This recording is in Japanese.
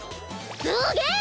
すげぇ！